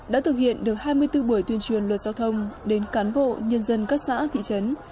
đã thực hiện được hai mươi bốn buổi tuyên truyền luật giao thông đến cán bộ nhân dân các xã thị trấn